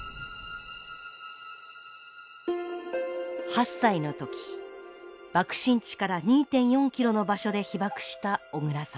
８歳の時爆心地から２．４キロの場所で被爆した小倉さん。